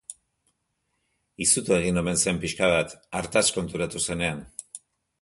Izutu egin omen zen pixka bat, hartaz konturatu zenean.